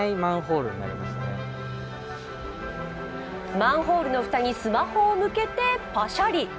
マンホールの蓋にスマホを向けてパシャリ。